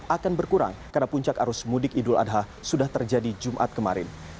akan berkurang karena puncak arus mudik idul adha sudah terjadi jumat kemarin